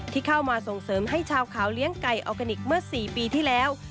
ที่เข้ามาส่งเสริมให้ชาวขาวเลี้ยงไก่ออร์แกนิคเมื่อ๔ปีที่แล้ว